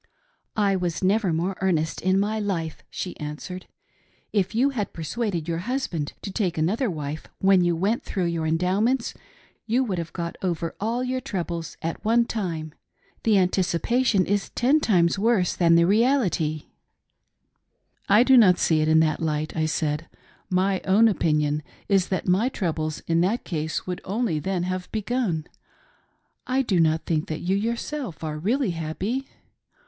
"I never was more earnest in my life," she answered. If you had persuaded your husband to take another wife when you went through your Endowments you would have got over all your troubles at one time. The anticipation is ten times worse than the reality." " I do not see it in that light," I said. " My own opinion is that my troubles in that case would only then have begun. I do not think that you yourself are really happy."